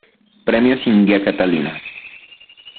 Premios India Catalina